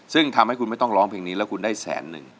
ซึ่งทำให้คุณไม่ต้องร้องเพลงนี้แล้วคุณได้แสนหนึ่ง